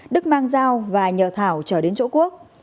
đức mang dao và nhờ thảo trở đến chỗ quốc